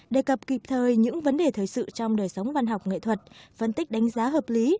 đề cập kịp thời những vấn đề thời sự trong đời sống văn học nghệ thuật phân tích đánh giá hợp lý